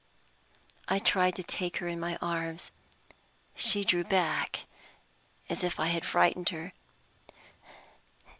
I tried to take her in my arms. She drew back as if I had frightened her.